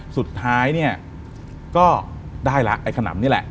สุดท้ายก็ได้แล้วไอ้ขนำนี่แหละ